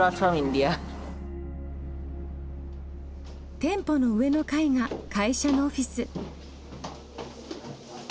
店舗の上の階が会社のオフィス。